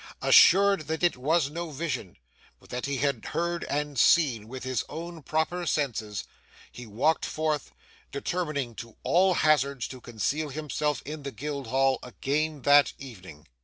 Assured that it was no vision, but that he had heard and seen with his own proper senses, he walked forth, determining at all hazards to conceal himself in the Guildhall again that evening.